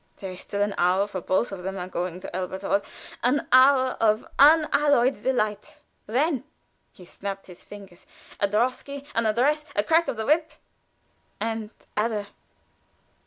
There is still an hour, for both are coming to Elberthal an hour of unalloyed delight; then" he snapped his fingers "a drosky, an address, a crack of the whip, and ade!"